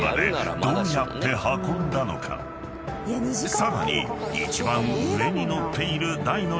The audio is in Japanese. ［さらに］